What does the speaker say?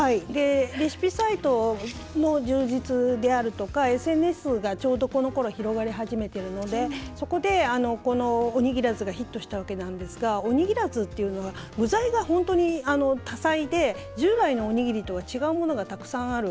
レシピサイトも充実であるとかＳＮＳがちょうど、このころ広がり始めているのでそこで、このおにぎらずがヒットしたわけなんですがおにぎらずっていうのが具材が本当に多彩で従来のおにぎりとは違うものがたくさんある。